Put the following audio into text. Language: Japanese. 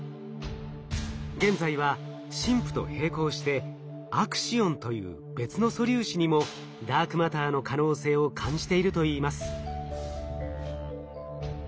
現在はＳＩＭＰと並行して「アクシオン」という別の素粒子にもダークマターの可能性を感じているといいます。